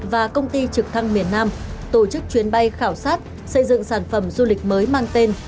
và công ty trực thăng miền nam tổ chức chuyến bay khảo sát xây dựng sản phẩm du lịch mới mang tên